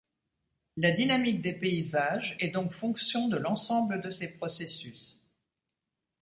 La dynamique des paysages est donc fonction de l'ensemble de ces processus.